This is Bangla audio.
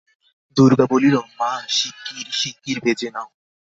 দুর্গা বলিল, মা শিগগির শিগগির ভেজে নাও।